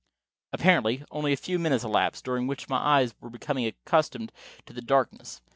Apparently only a few minutes elapsed, during which my eyes were becoming accustomed to the darkness.